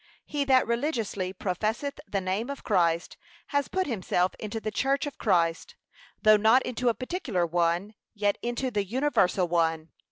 He that religiously professeth the name of Christ, has put himself into the church of Christ, though not into a particular one, yet into the universal one.